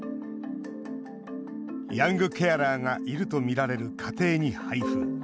ヤングケアラーがいるとみられる家庭に配付。